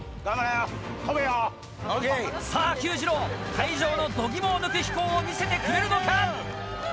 会場の度肝を抜く飛行を見せてくれるのか？